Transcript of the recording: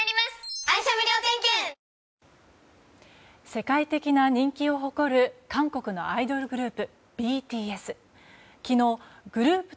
世界的な人気を誇る韓国のアイドルグループＢＴＳ。